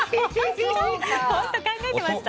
本当に考えてました？